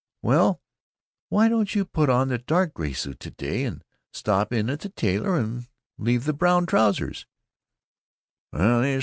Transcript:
"Well, why don't you put on the dark gray suit to day, and stop in at the tailor and leave the brown trousers?"